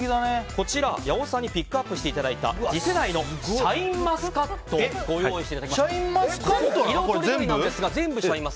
こちら、八尾さんにピックアップしていただいた次世代のシャインマスカットご用意していただきました。